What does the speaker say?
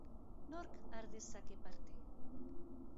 Nork har dezake parte?